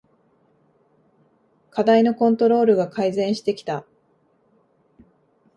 課題のコントロールが改善してきた